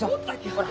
ほら。